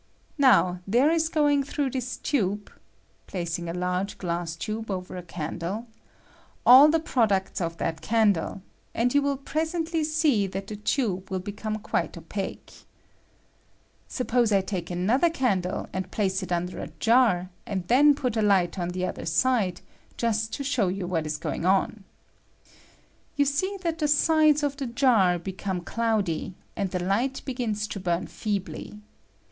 Now there is going through this tube [placing a large glass tube over a candle] all the products of J ' BJW WATER A PRODUCT OF COMBUSTION, J'that candle, and you will presently see that the f tube will become quite opaque. Suppose I take another candle, and place it under a jar, and then put a light on the other side, just to show . yott what is going on. You see that the sides f the jar become cloudy, and the light begins I to burn feebly.